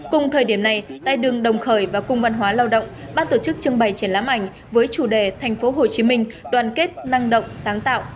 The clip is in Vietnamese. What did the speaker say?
cùng thời điểm này tại đường đồng khởi và cung văn hóa lao động bác tổ chức trưng bày triển lãm ảnh với chủ đề thành phố hồ chí minh đoàn kết năng động sáng tạo